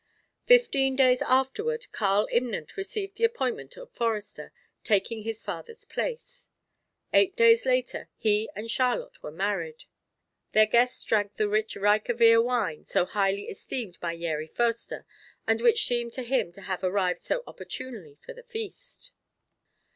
Fifteen days afterward, Karl Imnant received the appointment of forester, taking his father's place. Eight days later, he and Charlotte were married. The guests drank the rich Rikevir wine, so highly esteemed by Yeri Foerster, and which seemed to him to have arrived so opportunely for the feast.